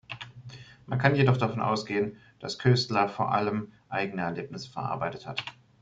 Man kann jedoch davon ausgehen, dass Koestler vor allem eigene Erlebnisse verarbeitet hat.